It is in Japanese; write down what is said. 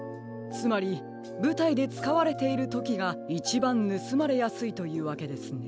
つまりぶたいでつかわれているときがいちばんぬすまれやすいというわけですね。